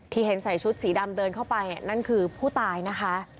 เห็นใส่ชุดสีดำเดินเข้าไปนั่นคือผู้ตายนะคะ